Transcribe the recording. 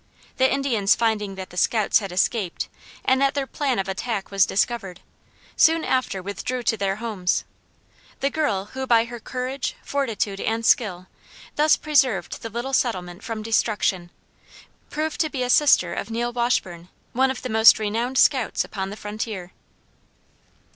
The Indians finding that the scouts had escaped, and that their plan of attack was discovered, soon after withdrew to their homes; the girl, who by her courage, fortitude, and skill, thus preserved the little settlement from destruction, proved to be a sister of Neil Washburn, one of the most renowned scouts upon the frontier.